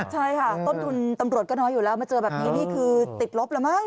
ใช่ค่ะต้นทุนตำรวจก็น้อยอยู่แล้วมาเจอแบบนี้นี่คือติดลบแล้วมั้ง